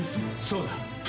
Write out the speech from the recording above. そうだ。